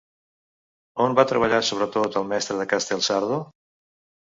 On va treballar sobretot el mestre de Castelsardo?